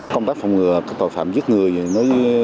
công tác phòng ngừa tội phạm giết người